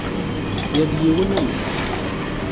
Yal yiwen amek.